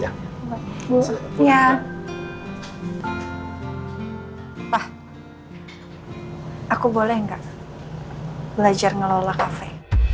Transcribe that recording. ah aku boleh nggak belajar ngelola kafe